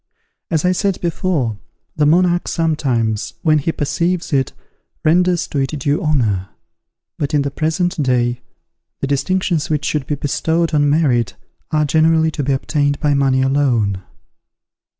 As I said before, the monarch sometimes, when he perceives it, renders to it due honour; but in the present day, the distinctions which should be bestowed on merit are generally to be obtained by money alone.